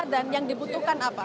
dan yang dibutuhkan adalah